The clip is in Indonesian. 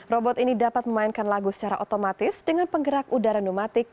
robot ini dapat memainkan lagu secara otomatis dengan penggerak udara nomatik